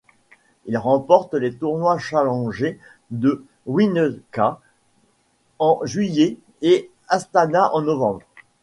Il remporte les tournois Challenger de Winnetka en juillet et Astana en novembre.